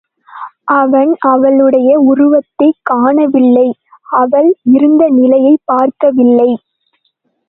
அவன் அவளுடைய உருவத்தைக் காணவில்லை, அவள் இருந்த நிலையைப் பார்க்கவில்லை.